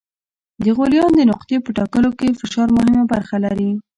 د غلیان د نقطې په ټاکلو کې فشار مهمه برخه لري.